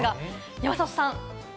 山里さん。